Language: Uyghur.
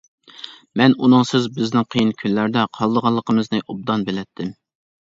مەن ئۇنىڭسىز بىزنىڭ قىيىن كۈنلەردە قالىدىغانلىقىمىزنى ئوبدان بىلەتتىم.